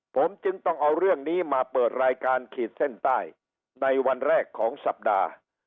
ผมจึงต้องเอาเรื่องนี้มาเปิดรายการขีดเส้นใต้ในวันแรกของสัปดาห์